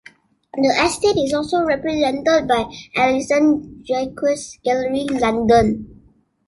The estate is also represented by Alison Jacques Gallery, London.